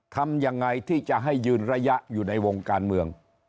ทำยังไงที่จะให้ยืนระยะอยู่ในวงการเมือง